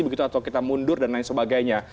begitu atau kita mundur dan lain sebagainya